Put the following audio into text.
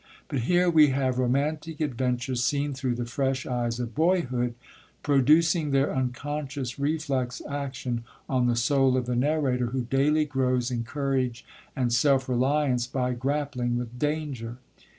But here we have romantic adventures seen through the fresh eyes of boyhood, producing their unconscious reflex action on the soul of the narrator, who daily grows in courage and self reliance by grappling with danger.